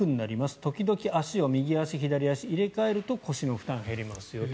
時々、足を右足、左足入れ替えると腰の負担が減りますよと。